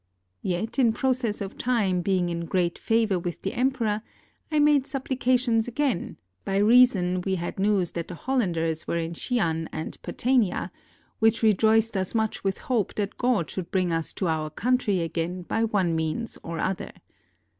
Yet in process of time, being in great favor with the emperor, I made supplication again, by reason we had news that the Hollanders were in Shian and Patania; which rejoiced us much with hope that God should bring us to our country again by one means or other.